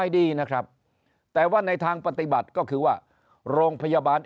ดีนะครับแต่ว่าในทางปฏิบัติก็คือว่าโรงพยาบาล